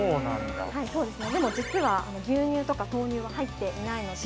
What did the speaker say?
◆実は、牛乳とか豆乳は入っていないので。